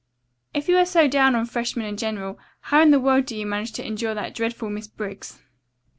"If you are so down on freshmen in general, how in the world do you manage to endure that dreadful Miss Briggs?"